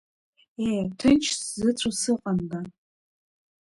Ее, ҭынч сзыцәо сыҟанда…